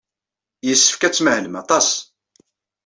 Yessefk ad tmahlem aṭas.